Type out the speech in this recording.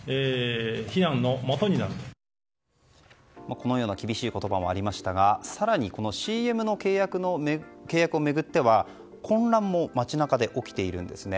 このような厳しい言葉もありましたが更にこのＣＭの契約を巡っては混乱も街中で起きているんですね。